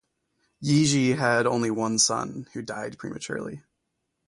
Yizhi had only one son who died prematurely.